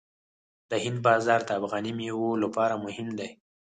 د هند بازار د افغاني میوو لپاره مهم دی.